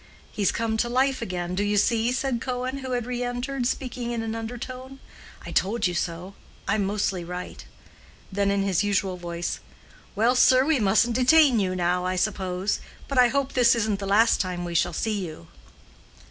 "He's come to life again, do you see?" said Cohen, who had re entered—speaking in an undertone. "I told you so: I'm mostly right." Then in his usual voice, "Well, sir, we mustn't detain you now, I suppose; but I hope this isn't the last time we shall see you."